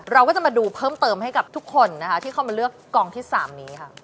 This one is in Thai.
เราก็จะมาดูเพิ่มเติมให้กับทุกคนนะคะที่เข้ามาเลือกกองที่๓นี้ค่ะ